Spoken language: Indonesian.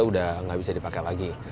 udah nggak bisa dipakai lagi